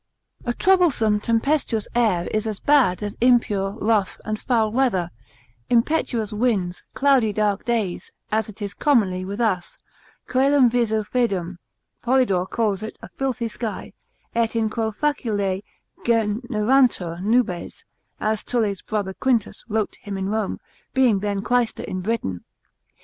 A troublesome tempestuous air is as bad as impure, rough and foul weather, impetuous winds, cloudy dark days, as it is commonly with us, Coelum visu foedum, Polydore calls it a filthy sky, et in quo facile generantur nubes; as Tully's brother Quintus wrote to him in Rome, being then quaestor in Britain.